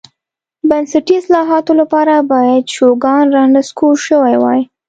بنسټي اصلاحاتو لپاره باید شوګان رانسکور شوی وای.